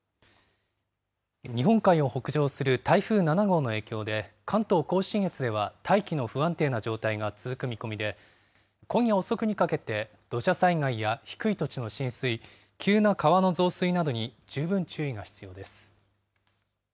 日本海を北上する台風７号の影響で、関東甲信越では大気の不安定な状態が続く見込みで、今夜遅くにかけて土砂災害や低い土地の浸水、急な川の増水などに十分注意が必要です。